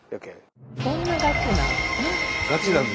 こんなガチなん？